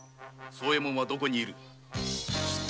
惣右衛門はどこに居る！